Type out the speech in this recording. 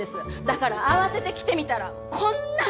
だから慌てて来てみたらこんな。